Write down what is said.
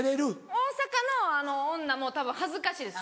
大阪の女もたぶん恥ずかしいです。